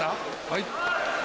はい。